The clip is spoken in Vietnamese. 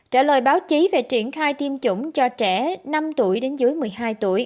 trả lời báo chí về triển khai tiêm chủng cho trẻ năm tuổi đến dưới một mươi hai tuổi